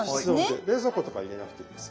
冷蔵庫とか入れなくていいです。